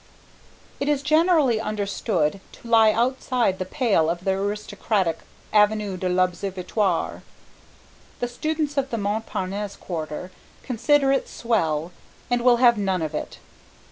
It is generally understood to lie outside the pale of the aristocratic Avenue de l'Observatoire. The students of the Montparnasse Quarter consider it swell and will have none of it.